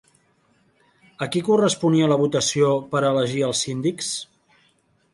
A qui corresponia la votació per a elegir els síndics?